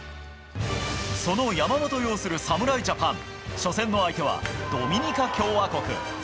その山本擁する侍ジャパン初戦の相手はドミニカ共和国。